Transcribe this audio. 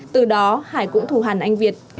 từ đó hải cũng thù hàn anh việt